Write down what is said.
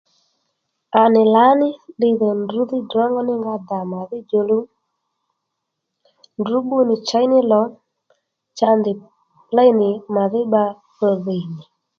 À nì lǎní ddiy dhò ndǔdhí ddrǒngónínga dà mà dhí djòluw ndrǔ bbú nì chěy ní lò cha ndèy léy nì mà dhí bba dho dhìy nì